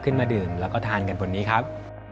ขึ้นมาดื่มแล้วก็ทานกันบนนี้ครับ